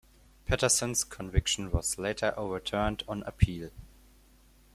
Pettersson's conviction was later overturned on appeal.